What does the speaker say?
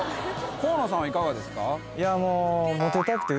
河野さんはいかがですか？